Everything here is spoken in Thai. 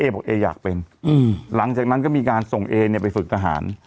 บอกเออยากเป็นหลังจากนั้นก็มีการส่งเอเนี่ยไปฝึกทหาร